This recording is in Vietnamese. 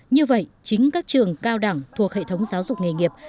như vậy chính các trường cao đẳng thuộc hệ thống giáo dục nghề nghiệp